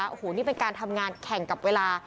โอ้โหนี่เป็นการทำงานแข่งกับเวลา